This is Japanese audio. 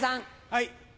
はい。